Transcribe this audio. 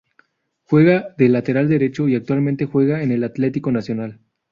Juega de lateral derecho y actualmente juega en el Atletico Nacional.